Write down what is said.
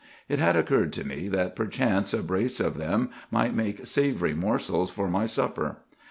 It had occurred to me that perchance a brace of them might make savory morsels for my supper.